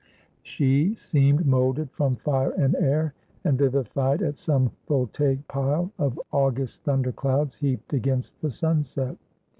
She seemed molded from fire and air, and vivified at some Voltaic pile of August thunder clouds heaped against the sunset.